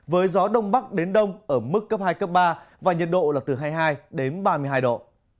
với gió đông bắc đến đông ở mức cấp hai cấp ba và nhiệt độ là từ hai mươi hai đến ba mươi hai độ